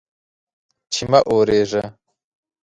چې مه اوریږه